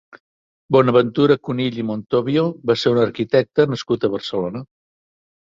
Bonaventura Conill i Montobbio va ser un arquitecte nascut a Barcelona.